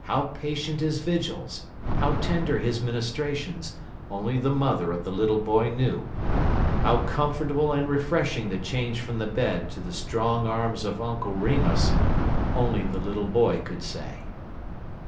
How patient his vigils, how tender his ministrations, only the mother of the little boy knew; how comfortable and refreshing the change from the bed to the strong arms of Uncle Remus, only the little boy could say.